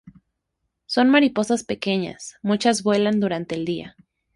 Son mariposas pequeñas, muchas vuelan durante el día.